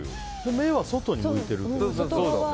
目は外に向いてるんだ。